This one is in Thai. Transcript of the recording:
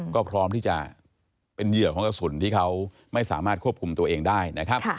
ก็พร้อมที่จะเป็นเหยื่อของกระสุนที่เขาไม่สามารถควบคุมตัวเองได้นะครับ